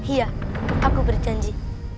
iya aku berjanji